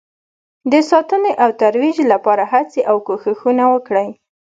د ساتنې او ترویج لپاره هڅې او کوښښونه وکړئ